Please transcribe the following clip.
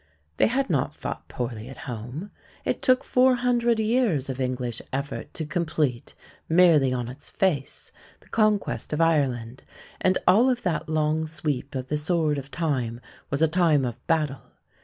They had not fought poorly at home. It took four hundred years of English effort to complete, merely on its face, the conquest of Ireland, and all of that long sweep of the sword of Time was a time of battle.